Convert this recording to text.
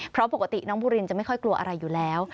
เพราะปกติน้องบุรินจะไม่ค่อยกลัวอะไรอยู่แล้ว